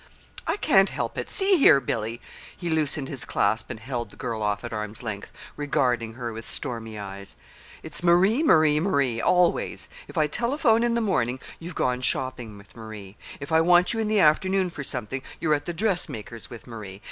"I can't help it. See here, Billy." He loosened his clasp and held the girl off at arm's length, regarding her with stormy eyes. "It's Marie, Marie, Marie always. If I telephone in the morning, you've gone shopping with Marie. If I want you in the afternoon for something, you're at the dressmaker's with Marie.